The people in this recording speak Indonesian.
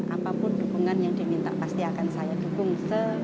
apapun dukungan yang diminta pasti akan saya dukung